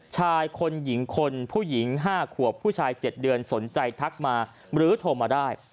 ชายคนหญิงคนผู้หญิง๕ขวบผู้ชาย๗เดือนสนใจทักมาหรือโทรมาได้